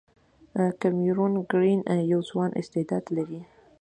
کیمرون ګرین یو ځوان استعداد لري.